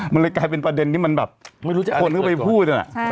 มันเลยกลายเป็นประเด็นนี้มันแบบคนก็ไปพูด